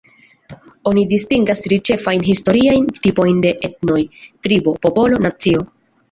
Oni distingas tri ĉefajn historiajn tipojn de etnoj: tribo, popolo, nacio.